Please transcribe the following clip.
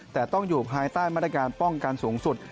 แต่ต้องอยู่ภายใต้มาตรการป้องกันสูงสุด